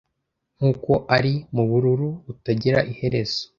nkuko ari mubururu butagira iherezo